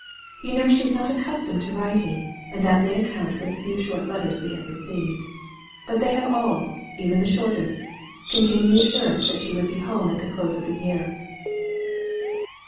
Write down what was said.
You know she is not accustomed to writing, and that may account for the few and short letters we have received; but they have all, even the shortest, contained the assurance that she would be at home at the close of the year."